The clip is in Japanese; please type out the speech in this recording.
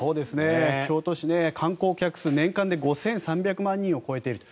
京都市、観光客数年間で５３００万人を超えていると。